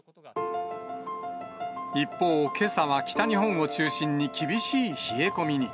一方、けさは北日本を中心に厳しい冷え込みに。